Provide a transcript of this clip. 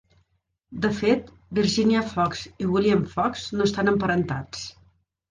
De fet, Virginia Fox i William Fox no estan emparentats.